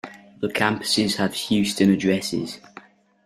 The campuses have Houston addresses.